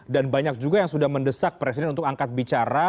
dan banyak juga yang sudah mendesak presiden untuk angkat bicara